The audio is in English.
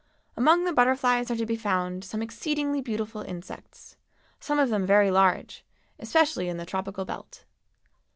Among the butterflies are to be found some exceedingly beautiful insects, some of them very large, especially in the tropical belt.